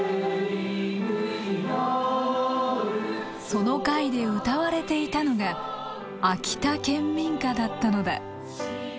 その会で歌われていたのが秋田県民歌だったのだ。